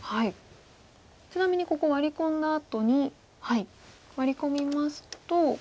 ちなみにここワリ込んだあとにワリ込みますと。